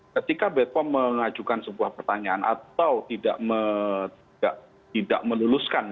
ketika bepom mengajukan sebuah pertanyaan atau tidak meluluskan